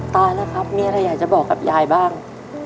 ตายแล้วครับมีอะไรอยากจะบอกกับยายบ้าง